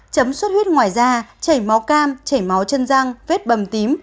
chấm xuất huyết ngoài da chảy máu cam chảy máu chân răng vết bầm tím